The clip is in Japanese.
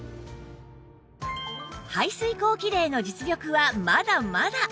排水口キレイの実力はまだまだ！